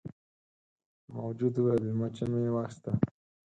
موجود وویل مچه مې واخیسته.